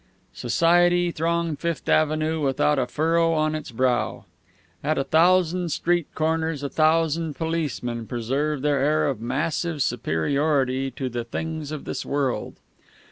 Society thronged Fifth Avenue without a furrow on its brow. At a thousand street corners a thousand policemen preserved their air of massive superiority to the things of this world.